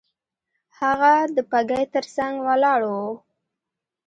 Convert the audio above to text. هغه د بګۍ تر څنګ ولاړ وو.